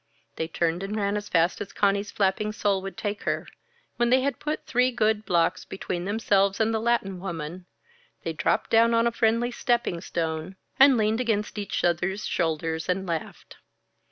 They turned and ran as fast as Conny's flapping sole would take her. When they had put three good blocks between themselves and the Latin woman, they dropped down on a friendly stepping stone, and leaned against each other's shoulders and laughed.